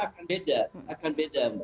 kalau bersama akan beda